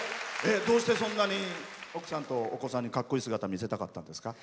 どうして、そんなに奥さんとお子さんにかっこいい姿見せたかったんですか？